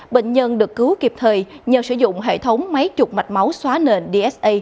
bệnh nhân được cứu kịp thời nhờ sử dụng hệ thống máy chụp mạch máu xóa nền dsa